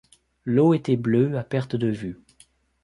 L’eau était bleue à perte de vue.